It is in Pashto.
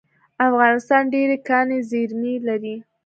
افغانستان ډیرې کاني زیرمې لري